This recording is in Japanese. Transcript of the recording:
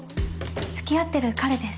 つきあってる彼です。